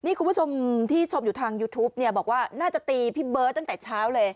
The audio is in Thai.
นี่คุณผู้ชมที่ชมอยู่ทางยูทูปเนี่ยบอกว่าน่าจะตีพี่เบิร์ตตั้งแต่เช้าเลย